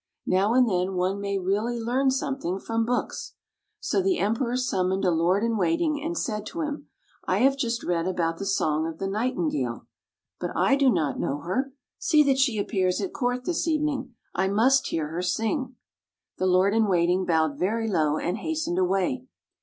Now and then one may really learn something from books! " So the Emperor summoned a lord in wait ing, and said to him, " I have just read about the song of the Nightingale; but I do not [ 41 ] FAVORITE FAIRY TALES RETOLD know her. See that she appears at court this evening. I must hear her sing.'' The lord in waiting bowed very low, and hastened away.